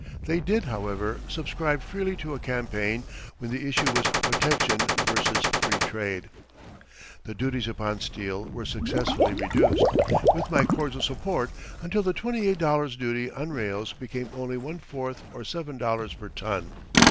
They did, however, subscribe freely to a campaign when the issue was Protection versus Free Trade. The duties upon steel were successively reduced, with my cordial support, until the twenty eight dollars duty on rails became only one fourth or seven dollars per ton.